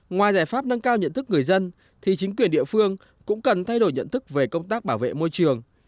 ngoài giải pháp nâng cao nhận thức người dân thì chính quyền địa phương cũng cần thay đổi nhận thức về công tác bảo vệ môi trường